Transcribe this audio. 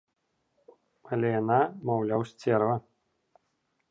Але яна, маўляў, сцерва.